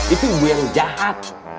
itu ibu yang jahat